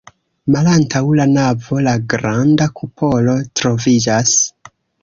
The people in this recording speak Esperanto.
Malantaŭ la navo la granda kupolo troviĝas.